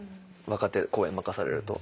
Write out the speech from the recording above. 若手公演任されると。